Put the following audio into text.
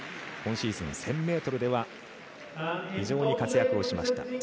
今シーズン、１０００ｍでは非常に活躍をしました。